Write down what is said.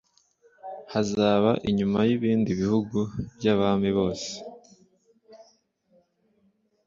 Hazaba inyuma y ibindi bihugu by abami byose